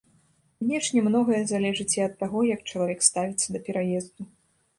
Канешне, многае залежыць і ад таго, як чалавек ставіцца да пераезду.